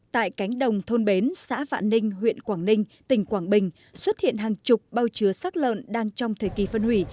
tại cánh đồng thôn bến xã vạn ninh huyện quảng ninh tỉnh quảng bình xuất hiện hàng chục bao chứa sắc lợn đang trong thời kỳ phân hủy